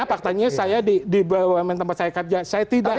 faktanya di wmn tempat saya kerja saya tidak ada